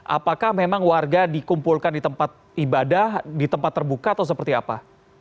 apakah memang warga dikumpulkan di tempat ibadah di tempat terbuka atau seperti apa